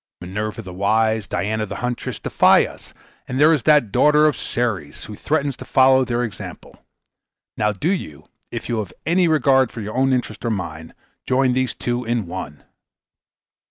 Minerva the wise, and Diana the huntress, defy us; and there is that daughter of Ceres, who threatens to follow their example. Now do you, if you have any regard for your own interest or mine, join these two in one."